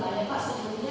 mungkin pak sebelumnya